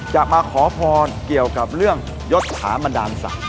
อยากมาขอพรเกี่ยวกับเรื่องยดถามันดามสัตว์